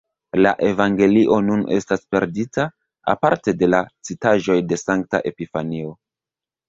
La evangelio nun estas perdita, aparte de la citaĵoj de sankta Epifanio.